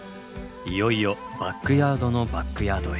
いよいよバックヤードのバックヤードへ。